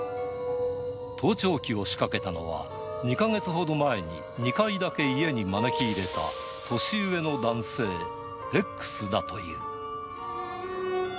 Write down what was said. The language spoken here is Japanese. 盗聴器を仕掛けたのは、２か月ほど前に２回だけに家に招き入れた年上の男性、Ｘだという。